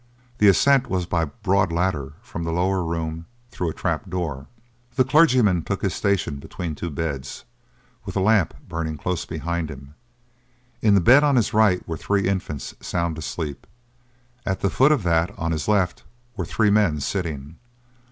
The ascent was by a broad ladder from the lower room through a trap door. The clergyman took his station between two beds, with a lamp burning close behind him. In the bed on his right were three infants sound asleep; at the foot of that on his left were three men sitting.